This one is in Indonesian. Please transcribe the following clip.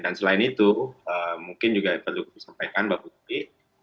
dan selain itu mungkin juga perlu disampaikan mbak putri